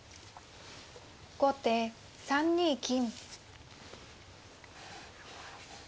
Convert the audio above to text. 後手３二金。